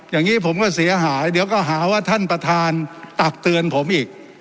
อย่างนี้ผมก็เสียหายเดี๋ยวก็หาว่าท่านประธานตักเตือนผมอีก